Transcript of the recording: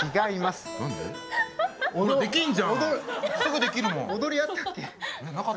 すぐできるもん！